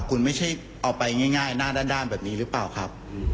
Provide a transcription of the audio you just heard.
คุณไม่ใช่เอาไปง่ายหน้าด้านแบบนี้หรือเปล่าครับ